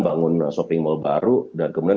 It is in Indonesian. bangun shopping mall baru dan kemudian